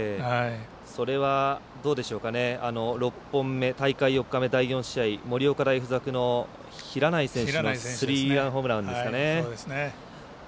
それは６本目、大会４日目第４試合、盛岡大付属の平内選手のスリーランホームランですかね。